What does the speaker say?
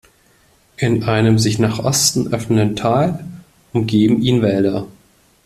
In einem sich nach Osten öffnenden Tal umgeben ihn Wälder.